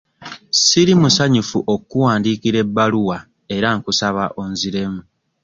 Siri musanyufu okkuwandiikira ebbaluwa era nkusaba onziremu.